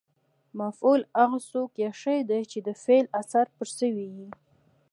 مفعول هغه څوک یا شی دئ، چي د فعل اثر پر سوی يي.